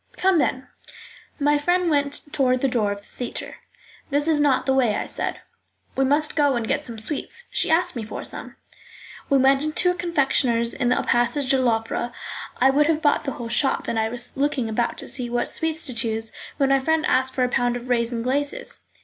"Come, then." My friend went toward the door of the theatre. "That is not the way," I said. "We must go and get some sweets. She asked me for some." We went into a confectioner's in the passage de l'Opera. I would have bought the whole shop, and I was looking about to see what sweets to choose, when my friend asked for a pound of raisins glaces.